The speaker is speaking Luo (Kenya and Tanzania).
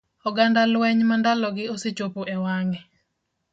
oganda lweny ma ndalogi osechopo e wang'e.